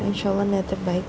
insya allah niatnya baik